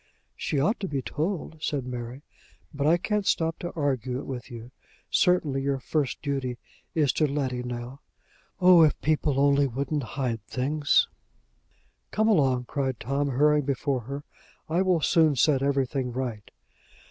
"She ought to be told," said Mary; "but I can't stop to argue it with you. Certainly your first duty is to Letty now. Oh, if people only wouldn't hide things!" "Come along," cried Tom, hurrying before her; "I will soon set everything right."